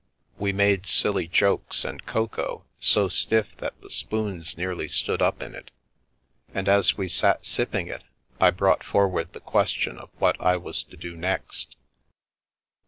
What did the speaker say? We made silly jokes and cocoa so stiff that the spoons nearly stood up in it, and as we sat sipping it I brought forward the question of what I was to do next.